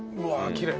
きれい。